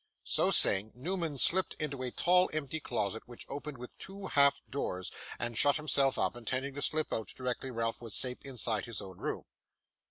So saying, Newman slipped into a tall empty closet which opened with two half doors, and shut himself up; intending to slip out directly Ralph was safe inside his own room.